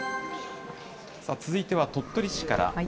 続いては、鳥取市から。